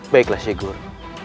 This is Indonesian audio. baiklah syekh guru